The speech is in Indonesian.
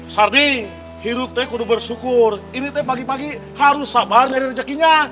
sardi hidup teh kudu bersyukur ini teh pagi pagi harus sabar nyari rejekinya